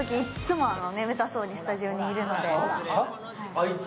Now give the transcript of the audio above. あいつ？